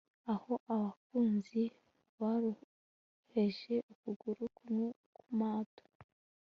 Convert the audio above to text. Aho abakunzi boroheje ukuguru kumwe kumato